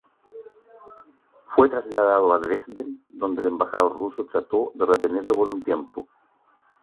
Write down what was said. Fue trasladado a Dresden, donde el embajador ruso trató de retenerlo por un tiempo.